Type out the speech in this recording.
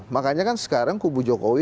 makanya kan sekarang kubu jokowi